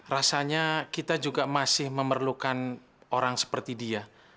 rasanya kita juga masih memerlukan orang seperti dia